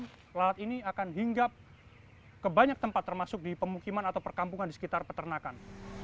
kemudian lalat ini akan hinggap ke banyak tempat termasuk di pemukiman atau perkampungan di sekitar peternakan